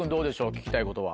聞きたいことは。